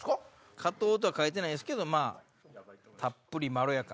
「加糖」とは書いてないけど「たっぷりまろやか」。